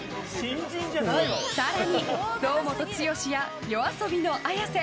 更に、堂本剛やＹＯＡＳＯＢＩのＡｙａｓｅ